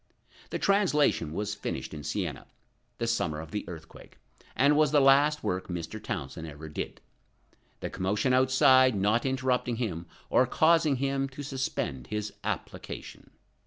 The translation was finished at Siena, the summer of the earthquake, and was the last work Mr. Townsend ever did, the commotion outside not interrupting him, or causing him to suspend his application.